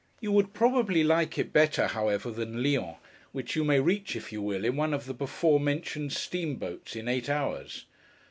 You would probably like it better, however, than Lyons: which you may reach, if you will, in one of the before mentioned steamboats, in eight hours.